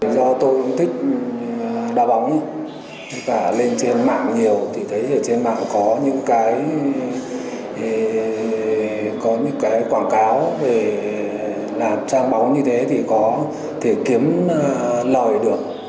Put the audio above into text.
do tôi thích đa bóng lên trên mạng nhiều thì thấy trên mạng có những quảng cáo về làm trang bóng như thế thì kiếm lời được